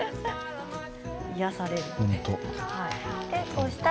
癒やされる。